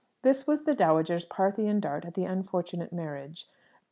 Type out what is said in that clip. This was the dowager's Parthian dart at the unfortunate marriage.